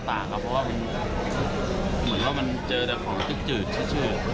ครับเพราะว่ามันเหมือนว่ามันเจอแต่ของจืดชื่อ